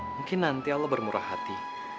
mungkin nanti allah bermurah hati